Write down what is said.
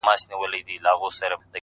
غوږ سه ورته ـ